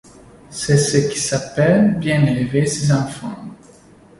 C’est ce qui s’appelle bien élever ses enfants.